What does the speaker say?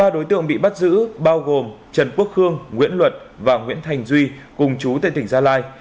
ba đối tượng bị bắt giữ bao gồm trần quốc khương nguyễn luật và nguyễn thành duy cùng chú tại tỉnh gia lai